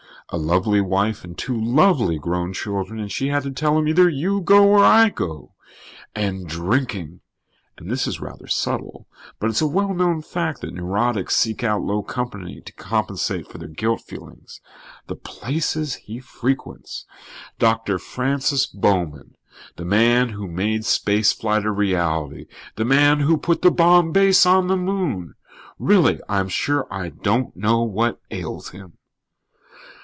A lovely wife and two lovely grown children and she had to tell him 'either you go or I go.' And drinking! And this is rather subtle, but it's a well known fact that neurotics seek out low company to compensate for their guilt feelings. The places he frequents. Doctor Francis Bowman, the man who made space flight a reality. The man who put the Bomb Base on the Moon! Really, I'm sure I don't know what ails him."